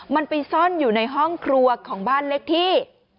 มันไปซ่อนอยู่ในห้องครัวของบ้านเล็กที่